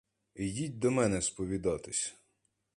Йдіть до мене сповідатись!